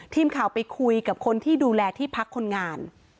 ทีมข่าวไปคุยกับคนที่ดูแลที่พักคนงาน